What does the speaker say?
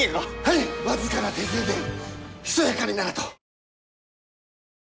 僅かな手勢でひそやかにならと。